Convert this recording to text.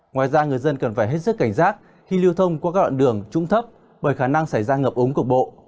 ngoài ra người dân cần phải hết sức cảnh giác khi lưu thông qua các đoạn đường trung thấp bởi khả năng xảy ra ngập ống cục bộ